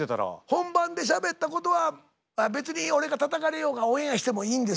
本番でしゃべったことは別に俺がたたかれようがオンエアしてもいいんですよ。